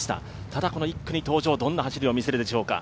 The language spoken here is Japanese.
ただ、この１区に登場どんな走りを見せるでしょうか。